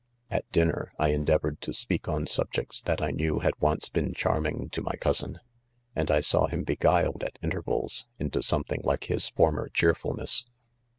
*v At dinner I .endeavored to speak on p sub jects, that I knew had onbe been charming to my cousin, and I isawjhim beguiled at intervals, into something like his former cheerfulness.